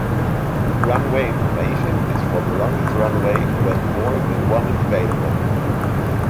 Runway information is for the longest runway when more than one is available.